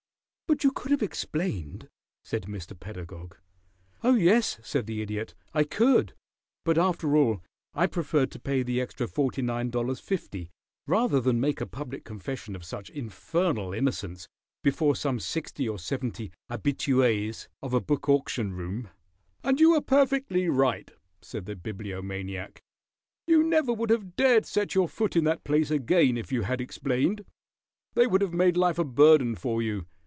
"But you could have explained," said Mr. Pedagog. [Illustration: "'I PREFERRED TO PAY THE $49.50'"] "Oh, yes," said the Idiot, "I could, but after all I preferred to pay the extra $49.50 rather than make a public confession of such infernal innocence before some sixty or seventy habitues of a book auction room." "And you were perfectly right!" said the Bibliomaniac. "You never would have dared set your foot in that place again if you had explained. They would have made life a burden to you.